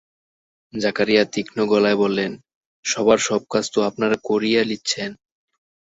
জাকারিয়া তীক্ষ্ণ গলায় বললেন, সবার সব কাজ তো আপনারা করিয়ে নিচ্ছেন।